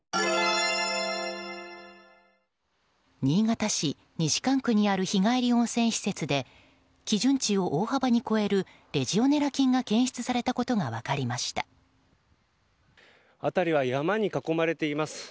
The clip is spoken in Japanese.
新潟市西蒲区にある日帰り温泉施設で基準値を大幅に超えるレジオネラ菌が検出されたことが辺りは山に囲まれています。